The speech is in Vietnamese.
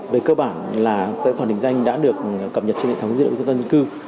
về cơ bản là tài khoản định danh đã được cập nhật trên hệ thống dữ liệu dân tân dân cư